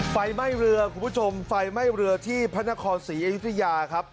ไฟไหม้เรือคุณผู้ชมไฟไหม้เรือที่พระนครศรีอยุธยาครับ